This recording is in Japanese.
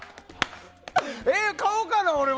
買おうかな、俺も！